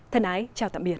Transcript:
thân ái chào tạm biệt